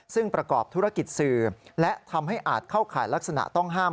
ซึ่งประกอบธุรกิจสื่อและทำให้อาจเข้าข่ายลักษณะต้องห้าม